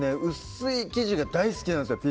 薄い生地が大好きなんですよ